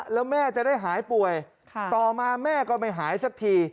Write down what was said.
แล้วแม่จะได้หายป่วยต่อมาแม่ก็ไม่หายสักที